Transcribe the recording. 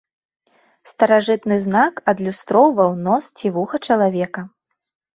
Старажытны знак адлюстроўваў нос ці вуха чалавека.